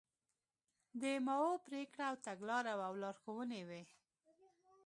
د ماوو پرېکړه او تګلاره وه او لارښوونې وې.